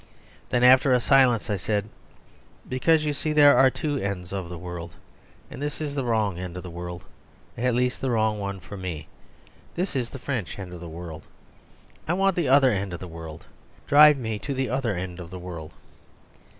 Then, after a silence, I said, "Because you see there are two ends of the world. And this is the wrong end of the world; at least the wrong one for me. This is the French end of the world. I want the other end of the world. Drive me to the other end of the world."